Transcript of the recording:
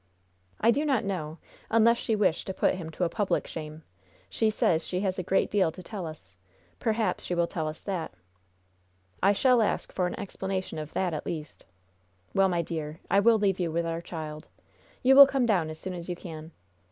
"I do not know, unless she wished to put him to a public shame. She says she has a great deal to tell us; perhaps she will tell us that." "I shall ask for an explanation of that, at least. Well, my dear, I will leave you with our child. You will come down as soon as you can."